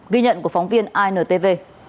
ghi nhận của phóng viên intv